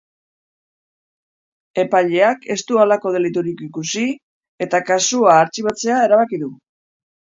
Epaileak ez du halako deliturik ikusi eta kasua artxibatzea erabaki du.